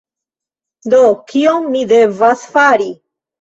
Do, kion mi devas fari?